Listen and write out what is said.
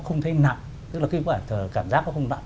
nó không thấy nặng tức là cái cảm giác nó không nặng